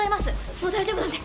もう大丈夫なんで。